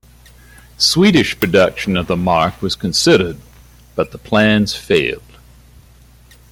Swedish production of the marque was considered, but the plans failed.